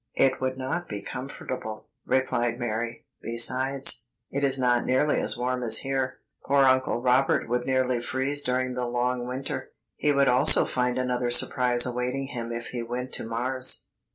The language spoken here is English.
"It would not be comfortable," replied Mary; "besides, it is not nearly as warm as here. Poor Uncle Robert would nearly freeze during the long winter. He would also find another surprise awaiting him if he went to Mars.